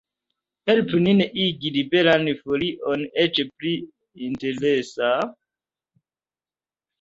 Helpu nin igi Liberan Folion eĉ pli interesa!